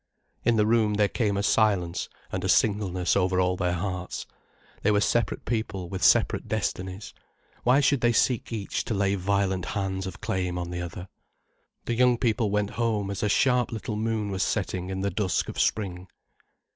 In the room, there came a silence and a singleness over all their hearts. They were separate people with separate destinies. Why should they seek each to lay violent hands of claim on the other? The young people went home as a sharp little moon was setting in the dusk of spring.